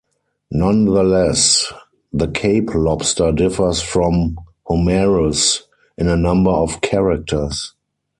Nonetheless, the Cape lobster differs from "Homarus" in a number of characters.